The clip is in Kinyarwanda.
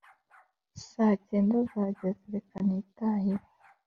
saa cyenda zageze reka nitahire